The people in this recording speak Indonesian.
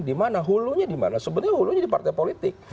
di mana hulunya di mana sebetulnya hulunya di partai politik